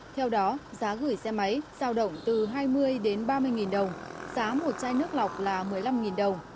theo đó giá gửi xe máy giao động từ hai mươi đến ba mươi nghìn đồng giá một chai nước lọc là một mươi năm đồng